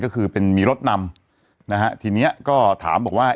ก็คือเป็นมีรถนำนะฮะทีเนี้ยก็ถามบอกว่า